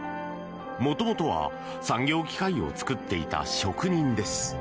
元々は産業機械を作っていた職人です。